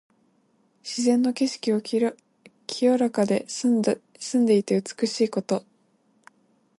自然の景色が清らかで澄んでいて美しいこと。